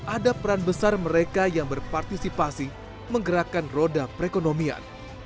ada peran besar mereka yang berpartisipasi menggerakkan roda perekonomian